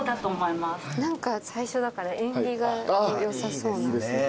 何か最初だから縁起が良さそうな。